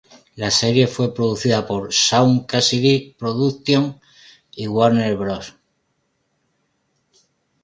La serie fue producida por Shaun Cassidy Productions y Warner Bros.